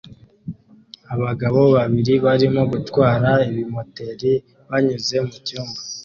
Abagabo babiri barimo gutwara ibimoteri banyuze mucyumba